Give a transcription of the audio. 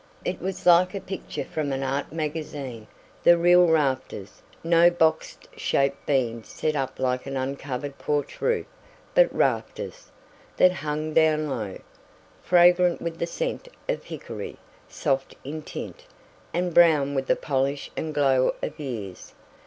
It was like a picture from an art magazine. The real rafters no boxed shaped beams set up like an uncovered porch roof but rafters, that hung down low, fragrant with the scent of hickory, soft in tint, and brown with the polish and glow of years.